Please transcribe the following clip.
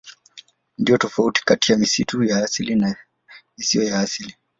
Ndiyo tofauti kati ya misitu ya asili na isiyo ya asili.